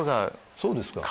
そうですか。